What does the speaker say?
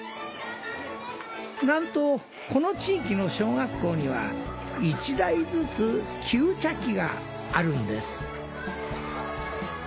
なんとこの地域の小学校には１台ずつ給茶機があるんです。